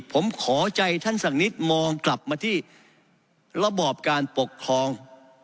ผมขอใจท่านสักนิดมองกลับมาที่ระบอบการปกครอง